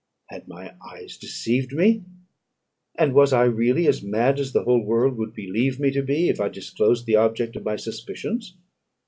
Had my eyes deceived me? and was I really as mad as the whole world would believe me to be, if I disclosed the object of my suspicions?